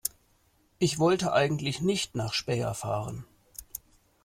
Ich wollte eigentlich nicht nach Speyer fahren